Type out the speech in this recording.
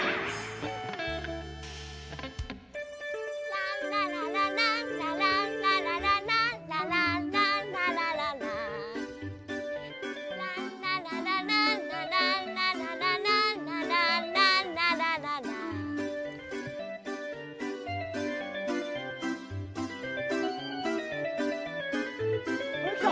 ランラララランラランラララランラランランララララランラララランラランラララランラランランララララあきた！